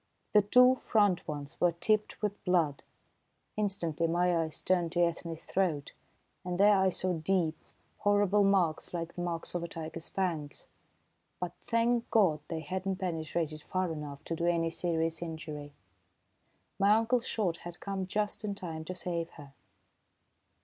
The two front ones were tipped with blood. Instantly my eyes turned to Ethne's throat, and there I saw deep, horrible marks, like the marks of a tiger's fangs; but, thank God, they had not penetrated far enough to do any serious injury! My uncle's shot had come just in time to save her.